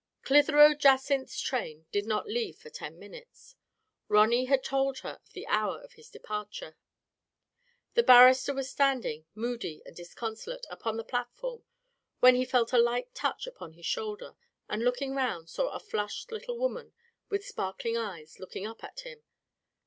Clitheroe Jacynth's train did not leave for ten minutes. Ronny had told her of the hour of his departure. The barrister was standing, moody and disconsolate, upon the plat form, when he felt a light touch upon his shoulder, and looking round, saw a flushed little woman, with sparkling eyes, looking up at him.